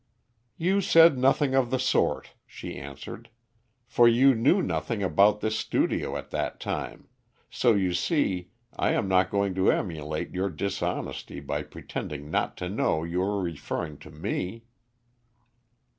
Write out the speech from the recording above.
"You said nothing of the sort," she answered, "for you knew nothing about this studio at that time, so you see I am not going to emulate your dishonesty by pretending not to know you are referring to me."